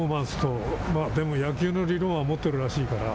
野球の理論は持っているらしいから。